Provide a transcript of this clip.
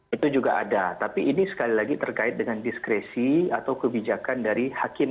itu juga ada tapi ini sekali lagi terkait dengan diskresi atau kebijakan dari hakim